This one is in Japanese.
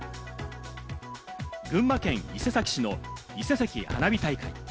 群馬県伊勢崎市のいせさき花火大会。